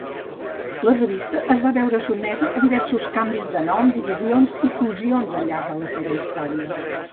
La revista es va veure sotmesa a diversos canvis de nom, divisions i fusions al llarg de la seva història.